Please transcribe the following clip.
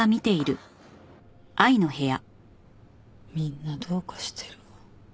みんなどうかしてるわ。